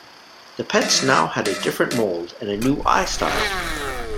The pets now had a different mold and a new eye style.